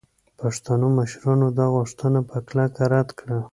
پښتنو مشرانو دا غوښتنه په کلکه رد کړه.